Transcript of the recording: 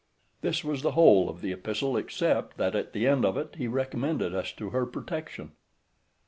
This was the whole of the epistle except, that at the end of it he recommended us to her protection.